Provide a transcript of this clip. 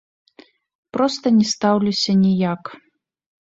Проста не стаўлюся ніяк.